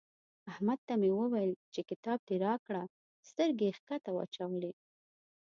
احمد ته مې وويل چې کتاب دې راکړه؛ سترګې يې کښته واچولې.